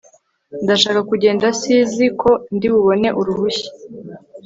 Ndashaka kugenda sizi ko ndibubone uruhushya